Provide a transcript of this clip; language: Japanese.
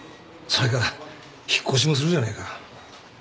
それから引っ越しもするじゃねえか。